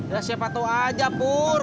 ya siapa tau aja bur